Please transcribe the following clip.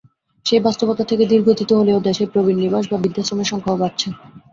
সেই বাস্তবতা থেকে ধীরগতিতে হলেও দেশে প্রবীণ নিবাস বা বৃদ্ধাশ্রমের সংখ্যাও বাড়ছে।